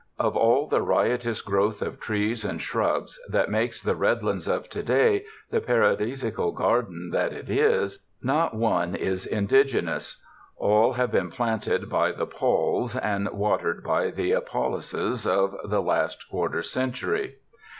Of all the riotous growth of trees and shrubs that makes the Red lands of to day the paradisaical garden that it is, not one is indigenous ; all have been planted by the Pauls and watered by the ApoUoses of the last quar ter century.